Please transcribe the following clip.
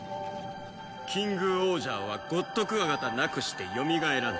キングオージャーはゴッドクワガタなくしてよみがえらない。